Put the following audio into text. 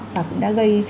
và cũng đã gây